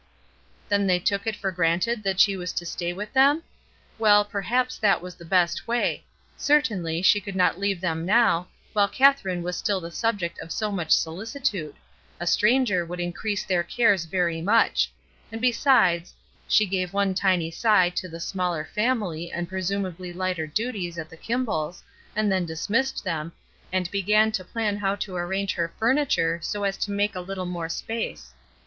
Then they took it for granted that she was to stay with them? Well, perhaps that was the best way — certainly, she could not leave them now, while Katherine was still the subject of so much solicitude; a stranger would increase their cares very much ; and besides — she gave one tiny sigh to the smaller family and pre sumably lighter duties at the Kimball's, and then dismissed them, and began to plan how 252 ESTER RIED'S NAMESAKE to arrange her furniture so as to make a little more space.